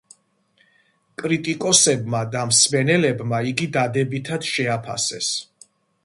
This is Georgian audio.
კრიტიკოსებმა და მსმენელებმა იგი დადებითად შეაფასეს.